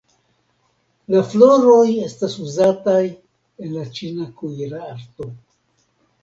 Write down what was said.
La floroj estas uzataj en la ĉina kuirarto.